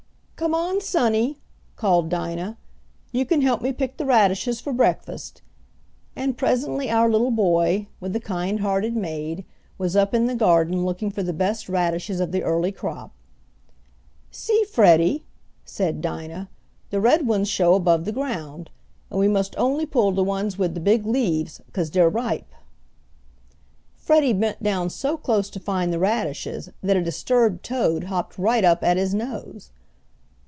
"Come on, sonny," called Dinah. "You can help me pick de radishes fo' breakfast," and presently our little boy, with the kind hearted maid, was up in the garden looking for the best radishes of the early crop. "See, Freddie," said Dinah. "De red ones show above de ground. And we must only pull de ones wid de big leaves, 'cause dey're ripe." Freddie bent down so close to find the radishes that a disturbed toad hopped right up at his nose.